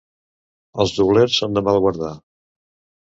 Els doblers són de mal guardar.